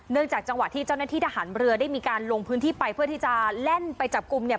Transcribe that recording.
จากจังหวะที่เจ้าหน้าที่ทหารเรือได้มีการลงพื้นที่ไปเพื่อที่จะแล่นไปจับกลุ่มเนี่ย